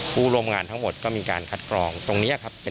ผู้ร่วมงานทั้งหมดก็มีการคัดกรองตรงนี้ครับ